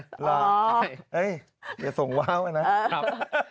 อ๋อเอ๊ยอย่าส่งว้าวไปนะครับ